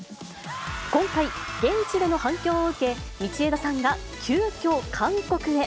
今回、現地での反響を受け、道枝さんが急きょ、韓国へ。